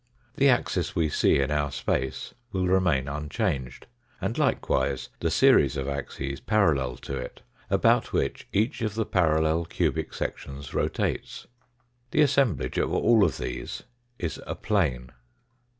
The axis we see in our space will remain unchanged, and likewise the series of axes parallel to it about which each of the parallel cubic sections rotates. The assemblage of all of these is a plane.